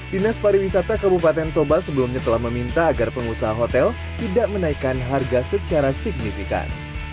dinas pariwisata kabupaten toba sebelumnya telah meminta agar pengusaha hotel tidak menaikkan harga secara signifikan